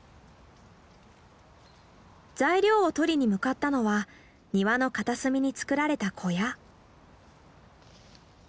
材料を取りに向かったのは庭の片隅に作られた小屋。